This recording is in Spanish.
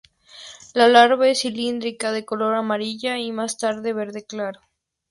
La larva es cilíndrica, de color amarillo y más tarde verde claro.